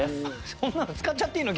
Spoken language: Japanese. そんなの使っちゃっていいの？